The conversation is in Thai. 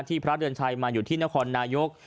พระเดือนชัยมาอยู่ที่นครนายก